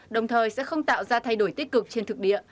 đồng thời sẽ không tạo ra thay đổi tích cực trên thực địa